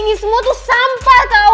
ini semua tuh sampah tau